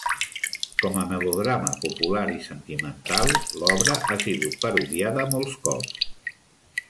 Com a melodrama popular i sentimental, l'obra ha sigut parodiada molts cops.